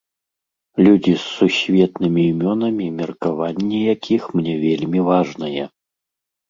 Людзі з сусветнымі імёнамі меркаванне якіх мне вельмі важнае.